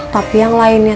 tapi yang lainnya